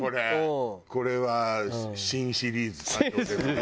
これは新シリーズ誕生ですね。